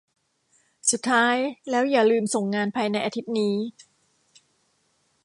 สุดท้ายแล้วอย่าลืมส่งงานภายในอาทิตย์นี้